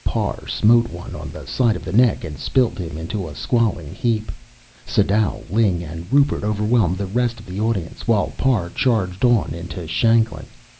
Parr smote one on the side of the neck and spilled him in a squalling heap. Sadau, Ling and Rupert overwhelmed the rest of the audience, while Parr charged on into Shanklin.